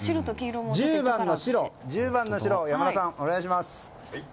１０番の白で山田さんお願いします。